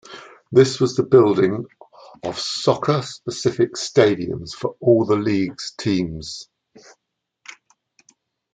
This was the building of soccer-specific stadiums for all the league's teams.